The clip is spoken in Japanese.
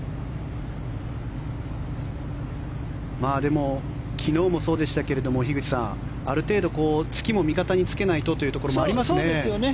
でも、昨日もそうでしたけれども樋口さんある程度ツキも味方につけないとというところもありますね。